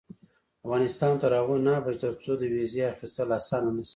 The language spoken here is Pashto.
افغانستان تر هغو نه ابادیږي، ترڅو د ویزې اخیستل اسانه نشي.